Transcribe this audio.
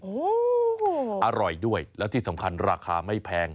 โอ้โหอร่อยด้วยแล้วที่สำคัญราคาไม่แพง